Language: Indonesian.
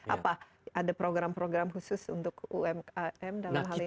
apa ada program program khusus untuk umkm dalam hal ini